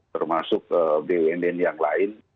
termasuk bund yang lain